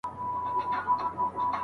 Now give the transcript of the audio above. خپلمنځي حقوق څنګه ساتل کيږي؟